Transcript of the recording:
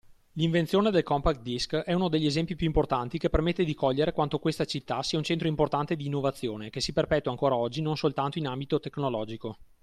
L’invenzione del Compact Disc è uno degli esempi più importanti che permette di cogliere quanto questa città sia un centro importante di innovazione, che si perpetua ancora oggi non soltanto in ambito tecnologico.